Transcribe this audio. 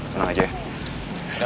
senang aja ya